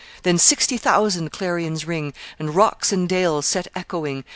Then sixty thousand clarions ring, And rocks and dales set echoing.